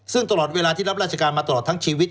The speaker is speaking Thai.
ซึ่งตลอดเวลาที่รับราชการมาตลอดทั้งชีวิต